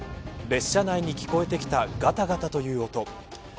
列車内に聞こえてきたがたがたという音。